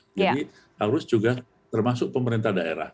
jadi harus juga termasuk pemerintah daerah